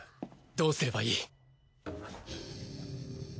どうすればいい？